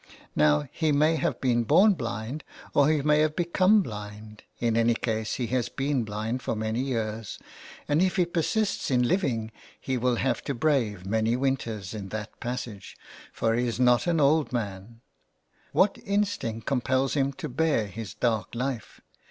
.. Now he may have been born blind, or he may have become blind ; in any case he has been blind for many years, and if he persist in living he will have to brave many winters in that passage, for he is not an old man What instinct compels him to bear his dark life